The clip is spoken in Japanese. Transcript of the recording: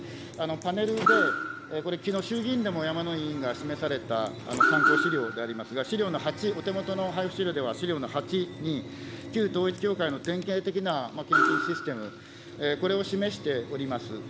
パネルで、これ、きのう衆議院でも山井委員が示された参考資料でありますが、資料の８、お手元の配布資料では、資料の８に、旧統一教会の典型的な献金システム、これを示しております。